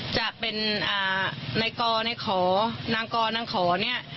จะเป็นอ่าในกในขนางกนางขเนี้ย